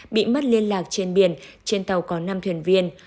bị mất liên lạc trên biển trên tàu có năm thuyền viên